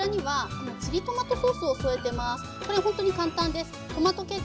これほんとに簡単です。